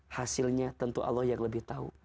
hasilnya tentu allah yang lebih tahu